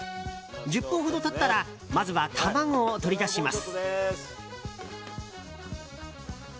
１０分ほど経ったらまずは卵を取り出します。